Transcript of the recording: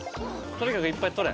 とにかくいっぱい取れ。